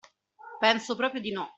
Penso proprio di no!